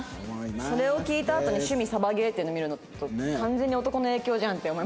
それを聞いたあとに趣味サバゲーっていうの見ると完全に男の影響じゃんって思いますね。